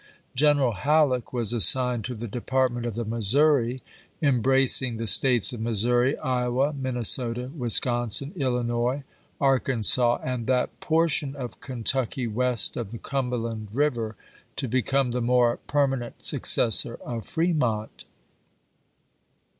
Greneral Halleck was assigned to the Department of the Missouri, embracing the States of Missouri, Iowa, Minnesota, Wisconsin, Illinois, Arkansas, and that portion of Kentucky west of the Cumberland River, to become the more permanent successor of . W R Vol Fremont.